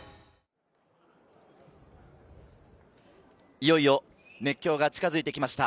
いよいよ熱狂が近づいてきました。